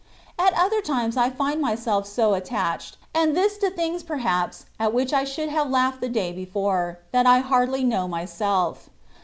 At other times I find myself so attached, and this to things perhaps, at wluch I should have laughed the day before, that I hardly know myself.